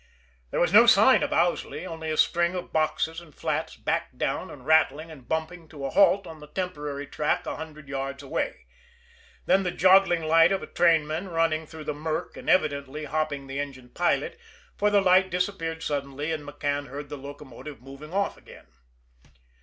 There was no sign of Owsley only a string of boxes and flats, backed down, and rattling and bumping to a halt on the temporary track a hundred yards away then the joggling light of a trainman running through the murk and, evidently, hopping the engine pilot, for the light disappeared suddenly and McCann heard the locomotive moving off again.